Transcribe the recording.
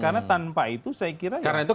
karena tanpa itu saya kira ya tidak akan berhasil